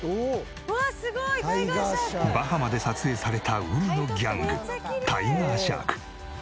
バハマで撮影された海のギャングタイガーシャーク。